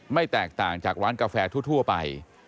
แตกต่างจากร้านกาแฟทั่วไป